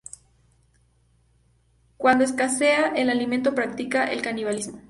Cuando escasea el alimento, practica el canibalismo.